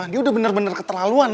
dia udah bener bener keterlaluan